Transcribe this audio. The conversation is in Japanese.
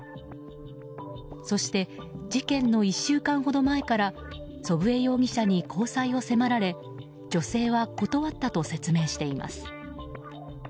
そして、事件の１週間ほど前から祖父江容疑者に交際を迫られ女性は断ったと説明しています。